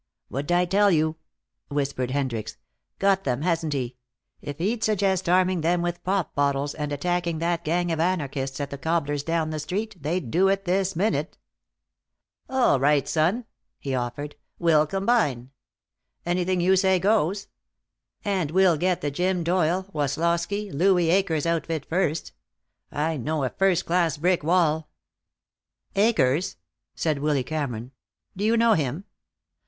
"What'd I tell you?" whispered Hendricks. "Got them, hasn't he? If he'd suggest arming them with pop bottles and attacking that gang of anarchists at the cobbler's down the street, they'd do it this minute." "All right, son," he offered. "We'll combine. Anything you say goes. And we'll get the Jim Doyle Woslosky Louis Akers outfit first. I know a first class brick wall " "Akers?" said Willy Cameron. "Do you know him?"